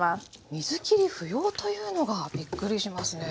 水きり不要というのがびっくりしますね。